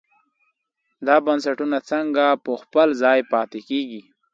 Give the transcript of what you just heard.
دا بنسټونه څنګه په خپل ځای پاتې کېږي.